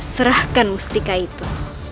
serahkan mustika itu